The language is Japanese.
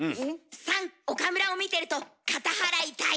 ３岡村を見てると片腹痛い。